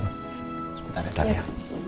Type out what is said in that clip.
sebentar ya tania